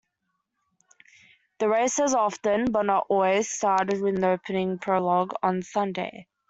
The race has often, but not always, started with an opening prologue on Sunday.